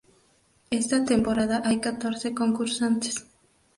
Esta temporada hay catorce concursantes.